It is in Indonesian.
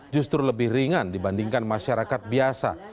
justru lebih ringan dibandingkan masyarakat biasa